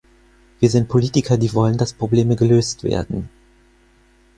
Wir sind Politiker, die wollen, dass Probleme gelöst werden.